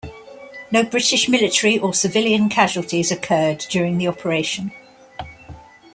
No British military or civilian casualties occurred during the operation.